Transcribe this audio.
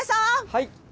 はい！